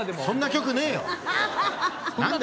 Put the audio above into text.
そんな曲ねえよ。